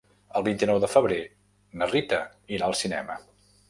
El vint-i-nou de febrer na Rita irà al cinema.